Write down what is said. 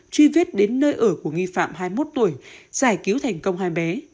truy vết đến nơi ở của nghi phạm hai mươi một tuổi giải cứu thành công hai bé